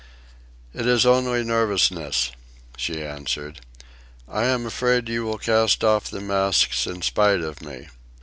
"It is only nervousness," she answered. "I am afraid you will cast off the masts in spite of me."